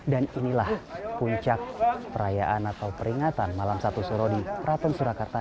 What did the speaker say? dan inilah puncak perayaan atau peringatan malam satu suruh di keraton surakarta